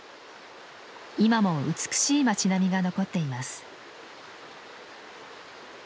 今も美しい町並みが残っています。